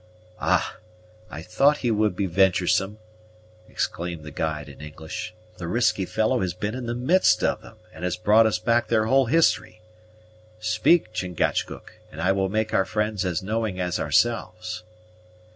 "Ah, I thought he would be venturesome!" exclaimed the guide in English. "The risky fellow has been in the midst of them, and has brought us back their whole history. Speak, Chingachgook, and I will make our friends as knowing as ourselves."